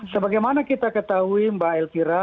sebagaimana kita ketahui mbak elvira